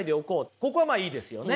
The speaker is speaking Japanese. ここはまあいいですよね。